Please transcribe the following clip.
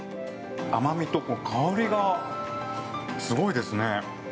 甘味と香りがすごいですね。